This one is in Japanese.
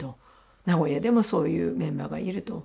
名古屋でもそういうメンバーがいると。